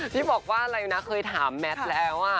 ที่บอกว่าอะไรนะเคยถามแมทแล้ว